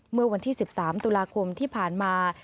เมื่อวันที่๑๓ตุลาคมที่ผ่านมา